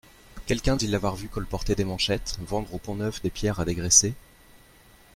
Quelqu'un dit l'avoir vu colporter des manchettes, vendre au Pont-Neuf des pierres à dégraisser.